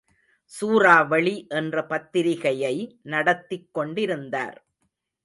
சூறாவளி என்ற பத்திரிகையை நடத்திக் கொண்டிருந்தார்.